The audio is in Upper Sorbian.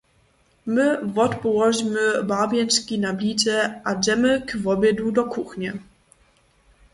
My wotpołožimy barbjenčki na blidźe a dźemy k wobjedu do kuchnje.